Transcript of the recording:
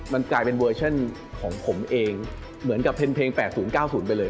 มันกลายเป็นเวอร์ชั่นของผมเองเหมือนกับเพลงเพลงแปดศูนย์เก้าศูนย์ไปเลย